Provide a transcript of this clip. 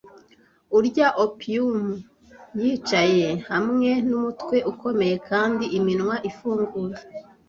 Urya opium yicaye hamwe n'umutwe ukomeye kandi iminwa ifunguye ,